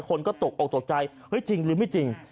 คนก็ตกออกตกใจเฮ้ยจริงหรือไม่จริง